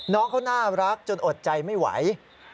น้องเขาน่ารักจนอดใจไม่ไหว